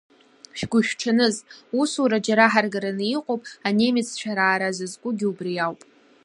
Шәгәышәҽаныз, усура џьара ҳаргараны иҟоуп, анемеццәа раара зызкугьы убри ауп.